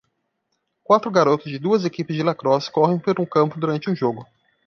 Quatro garotos de duas equipes de lacrosse correm pelo campo durante um jogo.